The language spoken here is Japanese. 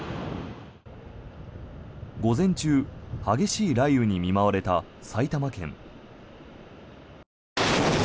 午前中激しい雷雨に見舞われた埼玉県。